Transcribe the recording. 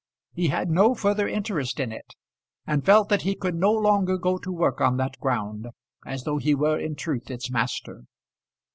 He had no further interest in it, and felt that he could no longer go to work on that ground as though he were in truth its master.